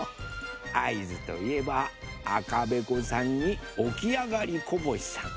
あいづといえばあかべこさんにおきあがりこぼしさん。